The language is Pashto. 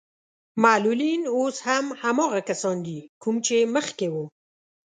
معلولين اوس هم هماغه کسان دي کوم چې مخکې وو.